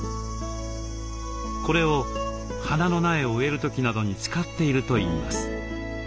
これを花の苗を植える時などに使っているといいます。